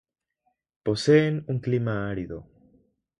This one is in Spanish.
Poseen un clima árido.